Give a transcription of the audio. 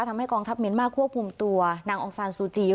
ทำให้กองทัพเมียนมาร์ควบคุมตัวนางองซานซูจี